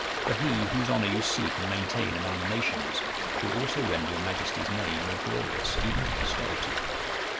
For He, Whose honour you seek and maintain among the nations, will also render your Majesty's name more glorious even to posterity.